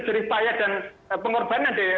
jurih payah dan pengorbanan